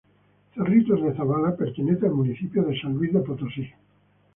Cerritos de Zavala pertenece a el Municipio de San Luis Potosí.